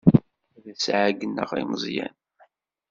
Ad as-ɛeyyneɣ i Meẓyan.